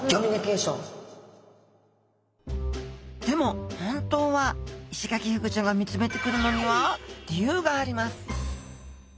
でも本当はイシガキフグちゃんが見つめてくるのには理由があります